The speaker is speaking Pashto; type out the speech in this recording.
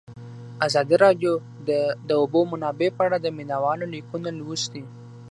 ازادي راډیو د د اوبو منابع په اړه د مینه والو لیکونه لوستي.